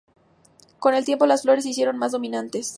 Con el tiempo, las flores se hicieron más dominantes.